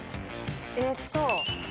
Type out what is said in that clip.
えっと